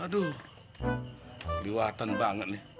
aduh kelewatan banget nih